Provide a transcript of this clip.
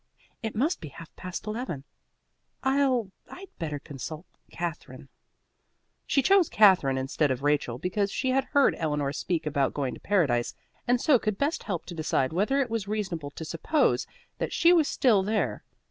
It must be half past eleven. I'll I'd better consult Katherine." She chose Katherine instead of Rachel, because she had heard Eleanor speak about going to Paradise, and so could best help to decide whether it was reasonable to suppose that she was still there.